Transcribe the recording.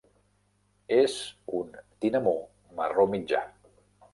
És un tinamú marró mitjà.